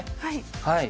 はい。